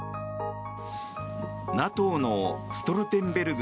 ＮＡＴＯのストルテンベルグ